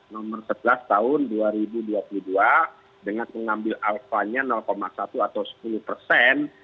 nomor sebelas tahun dua ribu dua puluh dua dengan mengambil alfanya satu atau sepuluh persen